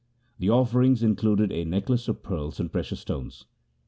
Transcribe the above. The offerings included a necklace of pearls and precious stones.